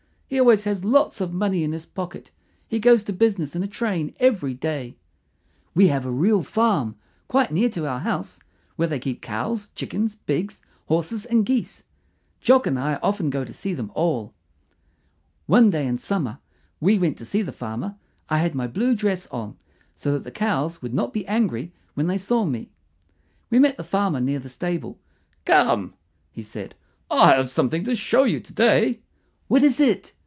He always has lots of money in his pocket. He goes to business in a train every day. We have a real farm, quite near to our house, where they keep cows, chickens, pigs, horses, and geese. Jock and I often go to see them all. One day in summer we went to see the farmer. I had my blue dress on, so that the cows would not be angry when they saw me. We met the farmer near the stable. "Come," he said; "I have something to show you to day." "What is it?"